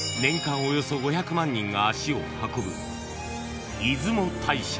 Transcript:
およそ５００万人が足を運ぶ］